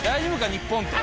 日本って。